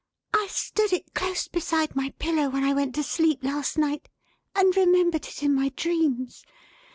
"I stood it close beside my pillow when I went to sleep last night, and remembered it in my dreams.